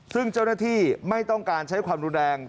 ซึ่งเจ้าหน้าที่ไม่ต้องการใช้ความรุนแรง